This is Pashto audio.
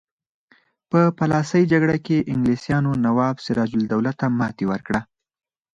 په پلاسۍ جګړه کې انګلیسانو نواب سراج الدوله ته ماتې ورکړه.